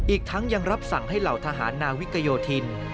อีกทั้งยังรับสั่งให้เหล่าทหารนาวิกโยธิน